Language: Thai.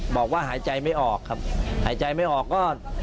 บอกว่าหายใจไม่ออกครับหายใจไม่ออกก็